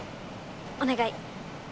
お願い！